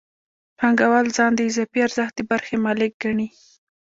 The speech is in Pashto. پانګوال ځان د اضافي ارزښت د برخې مالک ګڼي